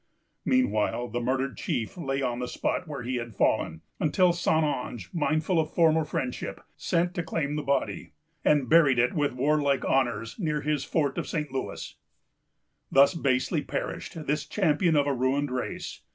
Meanwhile the murdered chief lay on the spot where he had fallen, until St. Ange, mindful of former friendship, sent to claim the body, and buried it with warlike honors, near his fort of St. Louis. Thus basely perished this champion of a ruined race.